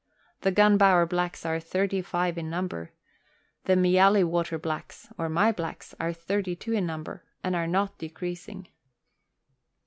The Gunbower blacks are 35 in number ; the Mially Water blacks (or my blacks) are 32 in number, and are not decreasing.